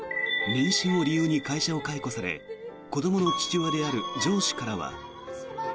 妊娠を理由に会社を解雇され子どもの父親である上司からは。